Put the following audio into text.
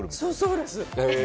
そうです。